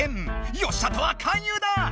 よっしゃトア勧誘だ！